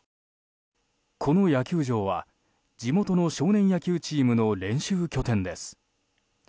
この野球場は地元の少年野球チームの練習拠点です。